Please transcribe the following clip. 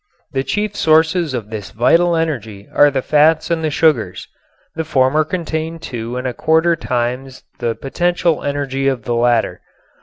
The chief sources of this vital energy are the fats and the sugars. The former contain two and a quarter times the potential energy of the latter.